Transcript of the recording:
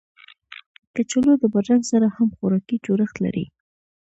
کچالو د بادرنګ سره هم خوراکي جوړښت لري